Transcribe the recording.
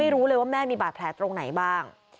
รู้เลยว่าแม่มีบาดแผลตรงไหนบ้าง